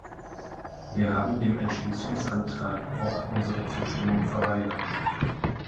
Wir haben dem Entschließungsantrag Brok unsere Zustimmung verweigert.